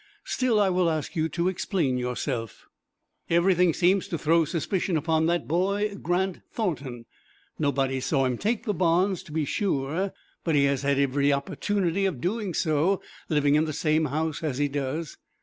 Still I will ask you to explain yourself." "Everything seems to throw suspicion upon that boy, Grant Thornton. Nobody saw him take the bonds, to be sure, but he has had every opportunity of doing so, living in the same house, as he does.